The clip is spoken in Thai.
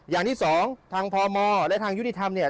อย่างที่สองทางพมและทางยุติธรรมเนี่ย